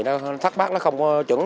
nó thắt bắt nó không có chứng